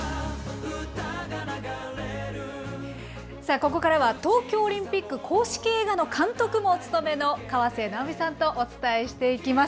ここからは東京オリンピック公式映画の監督もお務めの河瀬直美さんとお伝えしていきます。